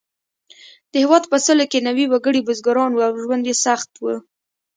د هېواد په سلو کې نوي وګړي بزګران وو او ژوند یې سخت و.